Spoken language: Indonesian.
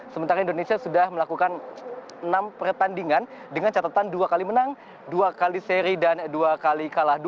sementara indonesia sudah melakukan enam pertandingan dengan catatan dua kali menang dua kali seri dan dua kali kalah dua